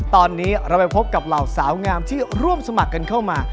ตอนนี้เราไปพบกับเหล่าสาวงามที่ร่วมสมัครกันเข้ามา